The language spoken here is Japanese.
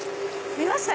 見ました